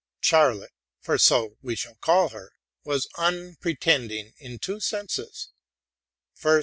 Lottie — for so we shall call her — was unpretending in two senses : first.